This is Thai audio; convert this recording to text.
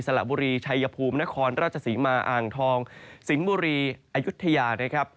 สละบุรีชัยภูมินครราชสีมาอ่างทองสิงบุรีอายุธยา